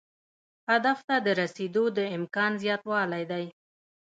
هدف ته د رسیدو د امکان زیاتوالی دی.